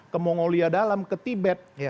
kemongolia dalam ke tibet